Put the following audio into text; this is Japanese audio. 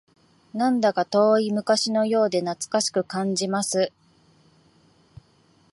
なんだか遠い昔のようで懐かしく感じます